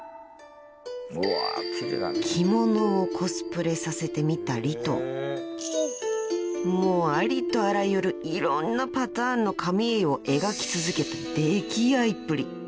［着物をコスプレさせてみたりともうありとあらゆるいろんなパターンのカミーユを描き続けた溺愛っぷり］